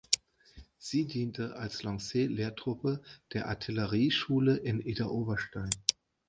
Sie diente als Lance-Lehrtruppe der Artillerieschule in Idar-Oberstein.